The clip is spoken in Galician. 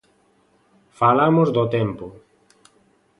Falamos do tempo.